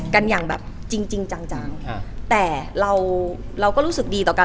กันอย่างแบบจริงจริงจังแต่เราเราก็รู้สึกดีต่อกัน